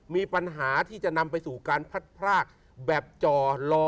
มีปัญหาที่จะนำไปสู่การพัดพรากแบบจ่อลอ